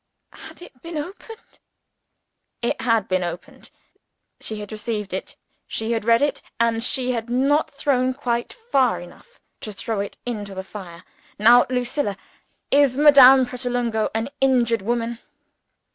_" "Had it been opened?" "It had been opened. She had received it; she had read it; and she had not thrown quite far enough to throw it into the fire. Now, Lucilla! Is Madame Pratolungo an injured woman?